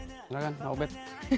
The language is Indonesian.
silahkan pak obed